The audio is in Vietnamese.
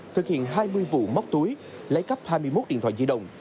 thực hiện hai mươi vụ móc túi lấy cắp hai mươi một điện thoại di động